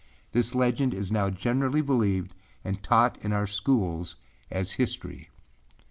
This legend is now generally believed and taught in our schools as history.